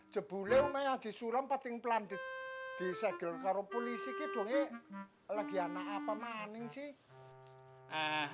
jebulew meyak di suram penting pelan di segel karo polisi ke dong eh lagi anak apa maning sih